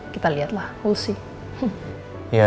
kita liat lah we'll see